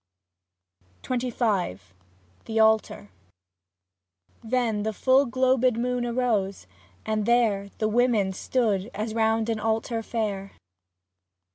38 XXV THE ALTAR Then the full globed moon arose, and there The women stood as round an altar fair.